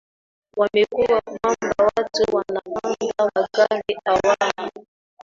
yamekuwa kwamba watu wanapanda magari hawaa